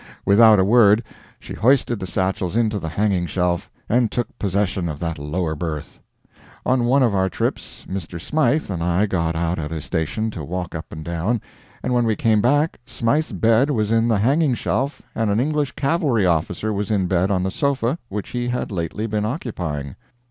Without a word, she hoisted the satchels into the hanging shelf, and took possession of that lower berth. On one of our trips Mr. Smythe and I got out at a station to walk up and down, and when we came back Smythe's bed was in the hanging shelf and an English cavalry officer was in bed on the sofa which he had lately been occupying.